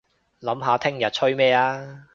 諗下聽日吹咩吖